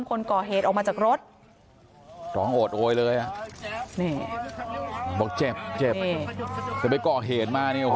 คนก่อเหตุออกมาจากรถ